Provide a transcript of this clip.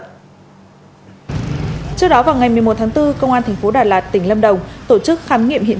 trước đó vào ngày một mươi một tháng bốn công an thành phố đà lạt tỉnh lâm đồng tổ chức khám nghiệm hiện